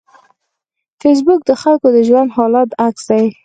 فېسبوک د خلکو د ژوند د حالاتو عکس دی